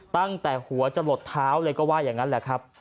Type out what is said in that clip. ตั้งแต่หัวจะหลดเท้าเลยก็ว่าอย่างนั้นแหละครับ